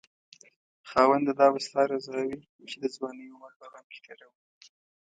خاونده دا به ستا رضاوي چې دځوانۍ عمر په غم کې تيرومه